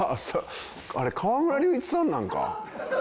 あれ河村隆一さんなんか。